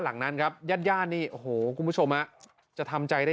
หลังนั้นครับญาติญาตินี่โอ้โหคุณผู้ชมฮะจะทำใจได้